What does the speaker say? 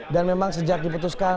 dan memang sejak diputuskan